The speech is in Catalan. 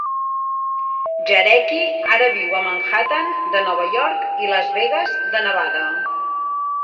Jarecki ara viu a Manhattan, de Nova York i Las Vegas, de Nevada.